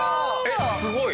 ・すごい。